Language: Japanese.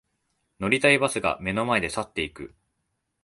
乗りたいバスが目の前で去っていく